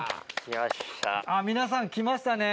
あっ皆さん来ましたね。